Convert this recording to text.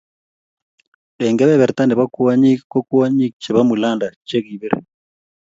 Eng kebeberat ne bo kwonyiik, ko kwonyiik che bo Mulanda che kipir